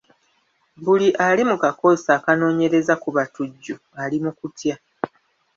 Buli ali mu kakoosi akanoonyereza ku batujju ali mu kutya.